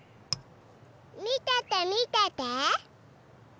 みててみてて！